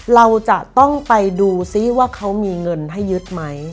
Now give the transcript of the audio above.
เราจะต้องไปดูซิว่าเขามีเงินให้ยึดไหม